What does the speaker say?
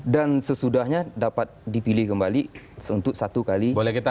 dan sesudahnya dapat dipilih kembali untuk satu kali masa jabatan